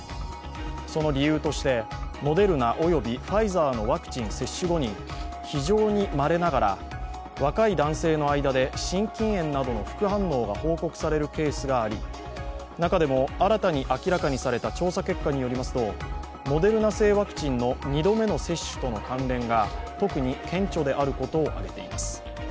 その理由として、モデルナ及びファイザーのワクチン接種後に非常にまれながら若い男性の間で心筋炎などの副反応が報告されるケースがあり、中でも新たに明らかにされた調査結果によりますとモデルナ製ワクチンの２度目の接種との関連が特に顕著であることを挙げています。